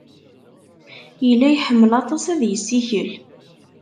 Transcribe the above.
Yella iḥemmel aṭas ad yessikel.